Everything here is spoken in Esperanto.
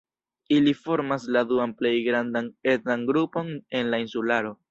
Ili formas la duan plej grandan etnan grupon en la insularo.